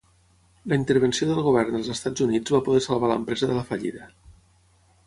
La intervenció del Govern dels Estats Units va poder salvar l'empresa de la fallida.